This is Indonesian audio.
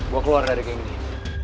gue keluar dari geng ini